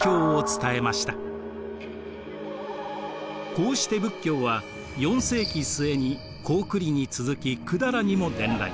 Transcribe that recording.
こうして仏教は４世紀末に高句麗に続き百済にも伝来。